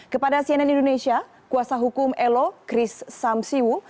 kepada cnn indonesia kuasa hukum elo chris samsiwu